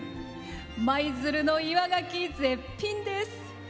舞鶴の岩がき、絶品です。